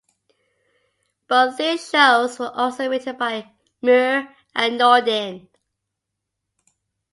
Both these shows were also written by Muir and Norden.